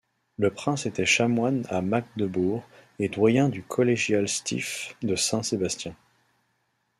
Le prince était chanoine à Magdebourg et doyen du Kollegialstifts de Saint-Sébastien.